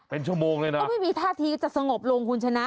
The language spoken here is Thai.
เป็นชั่วโมงเลยนะก็ไม่มีท่าทีจะสงบลงคุณชนะ